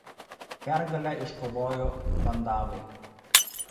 Pergalę iškovojo Pandavai.